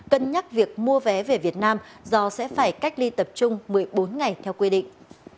cân nhắc việc mua vé về việt nam do sẽ phải cách ly tập trung một mươi bốn ngày theo quy định